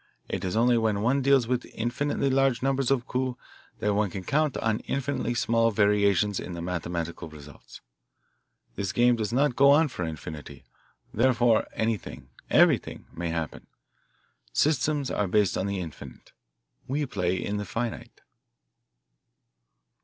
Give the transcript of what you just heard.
It is only when one deals with infinitely large numbers of coups that one can count on infinitely small variations in the mathematical results. This game does not go on for infinity therefore anything, everything, may happen. Systems are based on the infinite; we play in the finite."